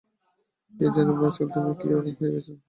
কে জানে ভাই, আজকাল তুমি কী রকম হইয়া গেছ।